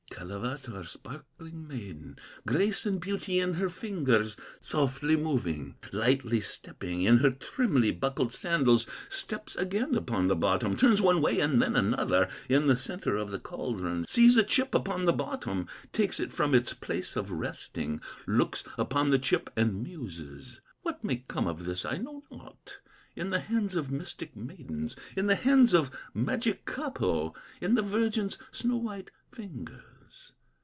"Kalevatar, sparkling maiden, Grace and beauty in her fingers, Softly moving, lightly stepping, In her trimly buckled sandals, Steps again upon the bottom, Turns one way and then another, In the centre of the caldron, Sees a chip upon the bottom, Takes it from its place of resting, Looks upon the chip and muses: 'What may come of this I know not, In the hands of mystic maidens, In the hands of magic Kapo, In the virgin's snow white fingers.